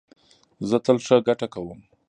زه تل ښه ګټه کوم